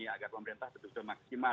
agar pemerintah maksimal